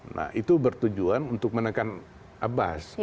nah itu bertujuan untuk menekan abbas